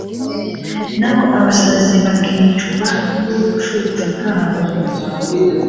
naho abasazi bakicwa n’ubucucu bwabo